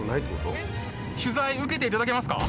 取材受けていただけますか？